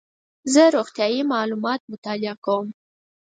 زه روغتیایي معلومات مطالعه کوم.